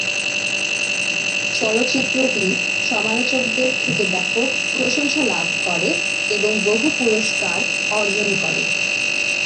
চলচ্চিত্রটি সমালোচকদের থেকে ব্যপক প্রশংসা লাভ করে এবং বহু পুরস্কার অর্জন করে।